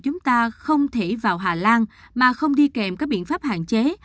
chuyến bay từ cape town của chúng ta không thể vào hà lan mà không đi kèm các biện pháp hạn chế